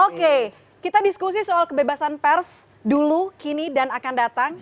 oke kita diskusi soal kebebasan pers dulu kini dan akan datang